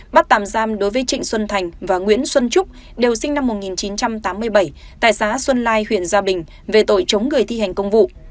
bắt tạm giam đối với trịnh xuân thành và nguyễn xuân trúc đều sinh năm một nghìn chín trăm tám mươi bảy tại xã xuân lai huyện gia bình về tội chống người thi hành công vụ